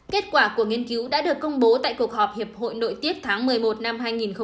kết quả của nghiên cứu đã được công bố tại cuộc họp hiệp hội nội tiết tháng một mươi một năm hai nghìn một mươi chín